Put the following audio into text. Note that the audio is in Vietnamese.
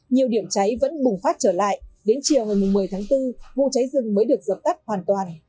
nhiều điểm cháy vẫn bùng phát trở lại đến chiều ngày một mươi tháng bốn vụ cháy rừng mới được dập tắt hoàn toàn